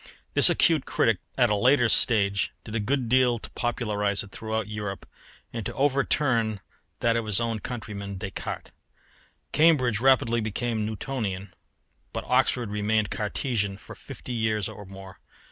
This acute critic at a later stage did a good deal to popularise it throughout Europe and to overturn that of his own countryman Descartes. Cambridge rapidly became Newtonian, but Oxford remained Cartesian for fifty years or more.